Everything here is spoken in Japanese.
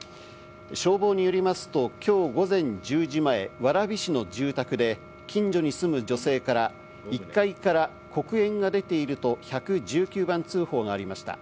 消防によりますと、今日午前１０時前、蕨市の住宅で、近所に住む女性から、１階から黒煙が出ていると１１９番通報がありました。